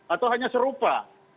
atau hanya serupa